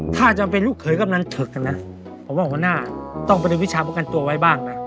ถ้าจำเป็นลูกเขยกำนันเถิกนะผมว่าหัวหน้าต้องประเดิมวิชาประกันตัวไว้บ้างนะ